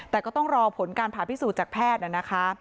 แต่ก็ต้องรอผลการผ่าพิสูจน์จากแพทย์นะคะ